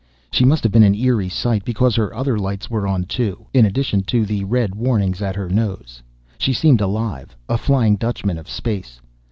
She must have been an eerie sight because her other lights were on too, in addition to the red warnings at her nose. She seemed alive, a Flying Dutchman of space.